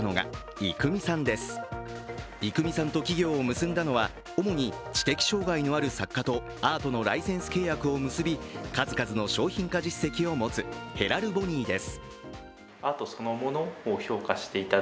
郁美さんと企業を結んだのは主に知的障害のある作家とアートのライセンス契約を結び数々の商品化実績を持つヘラルボニーです。